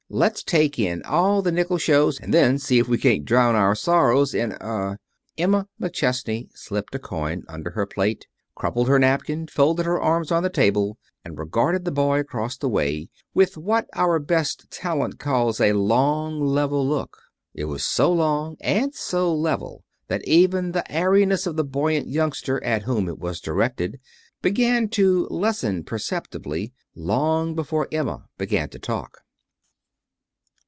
"Let's take in all the nickel shows, and then see if we can't drown our sorrows in er " Emma McChesney slipped a coin under her plate, crumpled her napkin, folded her arms on the table, and regarded the boy across the way with what our best talent calls a long, level look. It was so long and so level that even the airiness of the buoyant youngster at whom it was directed began to lessen perceptibly, long before Emma began to talk.